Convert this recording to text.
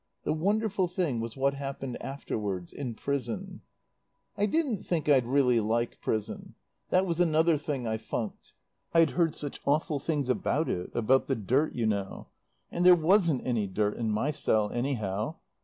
The wonderful thing was what happened afterwards. In prison. "I didn't think I'd really like prison. That was another thing I funked. I'd heard such awful things about it, about the dirt, you know. And there wasn't any dirt in my cell, anyhow.